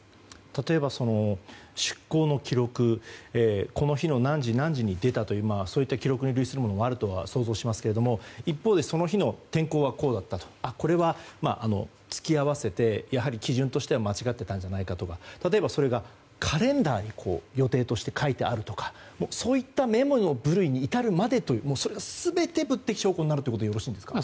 例えば、出港の記録この日の何時に出たという記録があるとは想像しますけど一方でその日の天候はこうだったこれは突き合わせて基準としては間違っていたんじゃないかとか例えばそれがカレンダーに予定として書いてあるとかそういったメモの部類に至るまでそれ全て物的証拠になるということでよろしいですか？